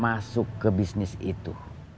masuk ke bisnis itu